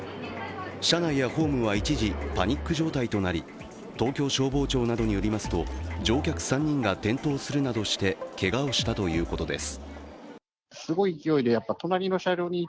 車内やホームは一時、パニック状態となり東京消防庁などによりますと乗客３人が転倒するなどしてけがをしたということです。